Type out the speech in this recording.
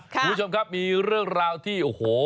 คุณผู้ชมครับมีเรื่องราวที่โอ้โห